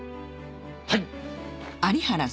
はい。